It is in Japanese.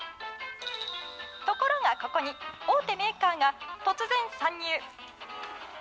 ところがここに、大手メーカーが突然、参入。